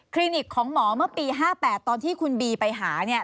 นิกของหมอเมื่อปี๕๘ตอนที่คุณบีไปหาเนี่ย